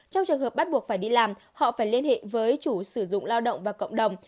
trong trường hợp bắt buộc phải đi làm họ phải liên hệ với chủ sử dụng lao động và cộng đồng